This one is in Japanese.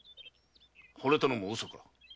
惚れたのもウソか？